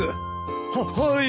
はっはい。